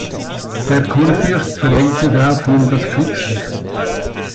Der Kurfürst verhängte daraufhin das Kriegsrecht.